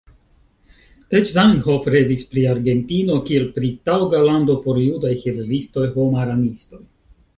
Eĉ Zamenhof revis pri Argentino, kiel pri taŭga lando por judaj hilelistoj-homaranistoj.